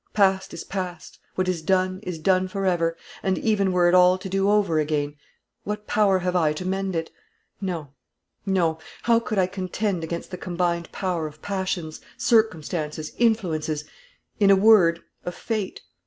Past is past what is done, is done forever; and even were it all to do over again, what power have I to mend it? No, no; how could I contend against the combined power of passions, circumstances, influences in a word, of fate?